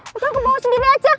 udah aku bawa sendiri aja